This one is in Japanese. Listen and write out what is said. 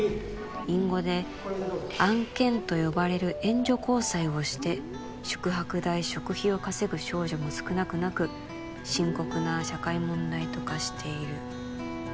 「隠語で「案件」と呼ばれる援助交際をして」「宿泊代食費を稼ぐ少女も少なくなく」「深刻な社会問題と化している」